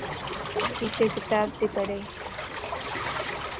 ٽيچر ڪتاب تي پڙھ